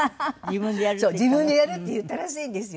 自分でやるって言ったらしいんですよ。